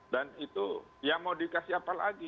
dan itu yang mau dikasih apa lagi